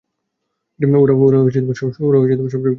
ওরা সবসময়েই থাকবে আমাদের জন্য।